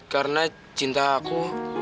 karena cinta aku